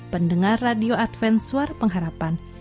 pendengar radio advent suara pengharapan